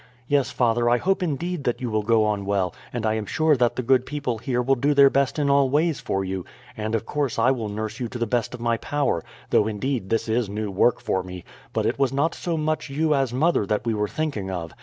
"Yes, father, I hope, indeed, that you will go on well; and I am sure that the good people here will do their best in all ways for you, and of course I will nurse you to the best of my power, though, indeed, this is new work for me; but it was not so much you as mother that we were thinking of.